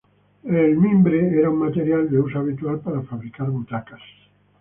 El mimbre era un material de uso habitual para fabricar butacas.